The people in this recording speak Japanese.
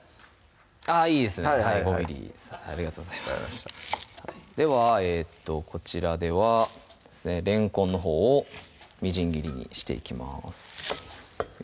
あぁいいですね５ｍｍですありがとうございます分かりましたではこちらではれんこんのほうをみじん切りにしていきます